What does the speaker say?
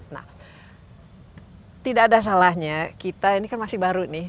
nah tidak ada salahnya kita ini kan masih baru nih